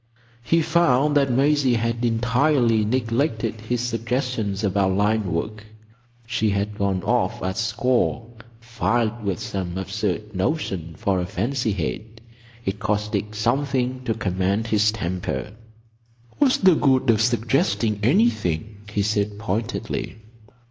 He found that Maisie had entirely neglected his suggestions about line work. She had gone off at score filled with some absurd notion for a "fancy head." It cost Dick something to command his temper. "What's the good of suggesting anything?" he said pointedly.